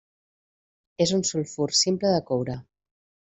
És un sulfur simple de coure.